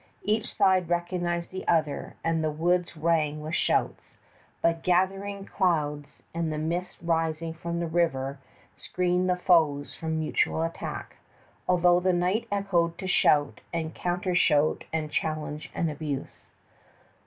Each side recognized the other, and the woods rang with shouts; but gathering clouds and the mist rising from the river screened the foes from mutual attack, though the night echoed to shout and countershout and challenge and abuse.